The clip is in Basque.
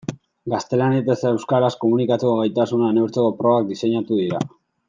Gaztelaniaz eta euskaraz komunikatzeko gaitasuna neurtzeko probak diseinatu dira.